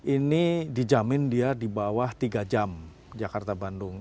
ini dijamin dia di bawah tiga jam jakarta bandung